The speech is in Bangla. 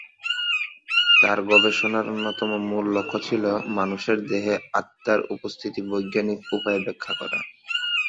তার গবেষণার অন্যতম মূল লক্ষ্য ছিলো মানুষের দেহে আত্মার উপস্থিতি বৈজ্ঞানিক উপায়ে ব্যাখ্যা করা।